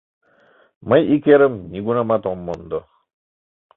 — Мый ик эрым нигунамат ом мондо.